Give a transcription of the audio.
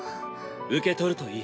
受け取るといい。